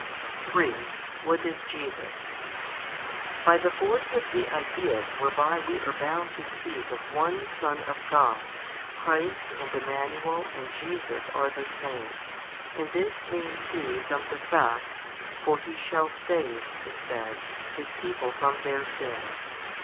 3. What is Jesus. By the force of the ideas 5 whereby we are bound to speak of One Son of God, Christ and Emmanuel and Jesus are the Same, and this name too from the fact, for He shall save (it says) His people from their sins.